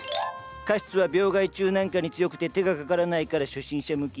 カシスは病害虫なんかに強くて手がかからないから初心者向き。